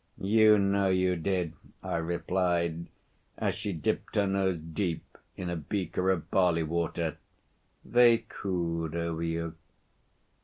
'You know you did,' I replied as she dipped her nose deep in a beaker of barley water. 'They cooed over you.'